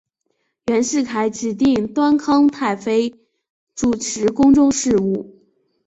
袁世凯指定端康太妃主持宫中事务。